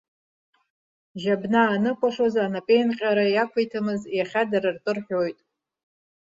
Жьабнаа аныкәашоз анапеинҟьара иақәиҭымыз, иахьа дара ртәы рҳәоит.